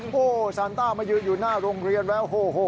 โฮซานต้ามาอยู่หน้าโรงเรียนแวะโฮ